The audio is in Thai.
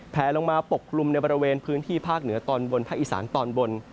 แผลลงมาปกกลุ่มในบริเวณพื้นที่ภาคเหนือตอนบนภาคอีสานตอนบน